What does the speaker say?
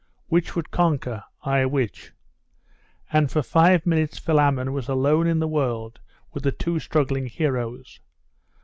Which would conquer?.... Ay, which? And for five minutes Philammon was alone in the world with the two struggling heroes....